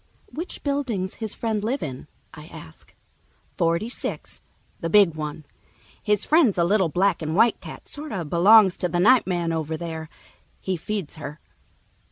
"Which building's his friend live in?" I ask. "Forty six, the big one. His friend's a little black and white cat, sort of belongs to the night man over there. He feeds her."